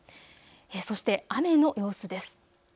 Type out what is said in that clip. そして雨の様子です。